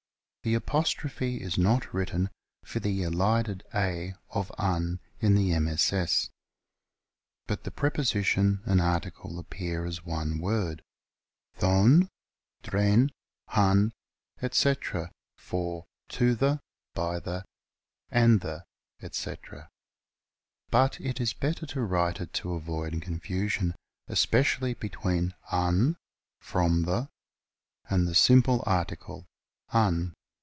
The apostrophe is not written for the elided a of an in the MSS., but the preposition and article appear as one word, dhon, dren, han, etc., for to the, by the, and the, etc. But it is better to write it, to avoid confusion, especially between a'n, from the, and the simple article, an.